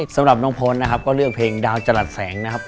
สำหรับน้องพ้นนะครับก็เลือกเพลงดาวจรัสแสงนะครับ